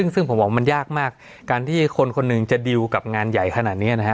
ซึ่งผมบอกว่ามันยากมากการที่คนคนหนึ่งจะดิวกับงานใหญ่ขนาดนี้นะฮะ